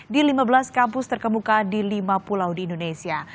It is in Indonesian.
di lima belas kampus terkemuka di lima pulau di indonesia